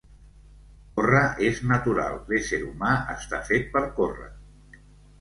Córrer és natural, l’ésser humà està fet per córrer.